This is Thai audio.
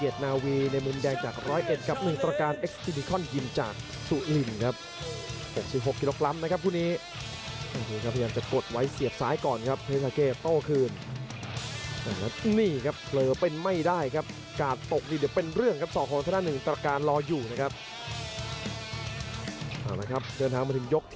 ใช้ทั้งท่านทีตอนนี้ก็ไม่ได้นะครับกาลตก